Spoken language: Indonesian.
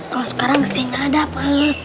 kalau sekarang kesennya ada apa